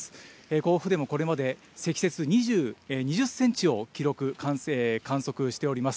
甲府でもこれまで積雪２０センチを記録、観測しております。